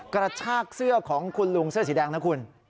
กระชากเสื้อของคุณลุงเสื้อสีแดงนะคุณ